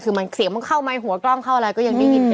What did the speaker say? คือเสียงเข้าไมค์หัวกล้องเข้าอะไรก็ยังได้ยิน